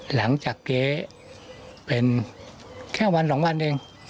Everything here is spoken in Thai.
หลังจากเก๊เป็นแค่วันสองวันเอง